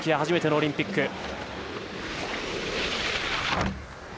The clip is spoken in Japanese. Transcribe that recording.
初めてのオリンピック。